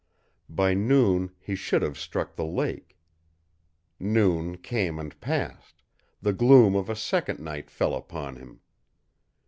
By noon he should have struck the lake. Noon came and passed; the gloom of a second night fell upon him.